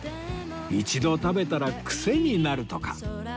一度食べたらクセになるとか